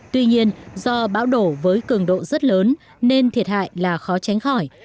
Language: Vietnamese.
tuy nhiên do bão đổ với cường độ rất lớn nên thiệt hại là khó tránh khỏi